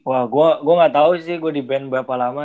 wah gue gak tau sih gue dibanding berapa lama